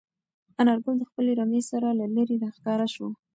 انارګل د خپلې رمې سره له لیرې راښکاره شو.